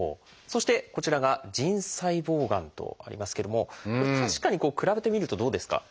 そしてこちらが腎細胞がんとありますけども確かに比べてみるとどうですか？